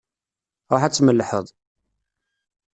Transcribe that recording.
Ṛuḥ ad tmellḥeḍ!